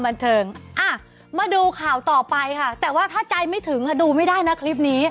มาดูข่าวต่อไปค่ะแต่ว่าถ้าใจไม่ถึงดูไม่ได้นะคลิปนี้